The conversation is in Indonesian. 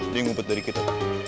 di ngumpet dari kita